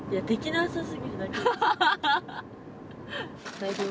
大丈夫？